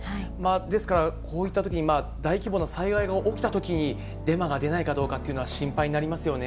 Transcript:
ですからこういったときに、大規模な災害が起きたときにデマが出ないかどうかというのは心配になりますよね。